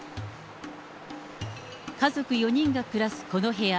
家族４人が暮らすこの部屋。